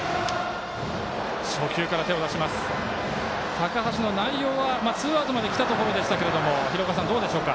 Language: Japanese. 高橋の内容はツーアウトまできたところでしたが廣岡さん、どうでしょうか？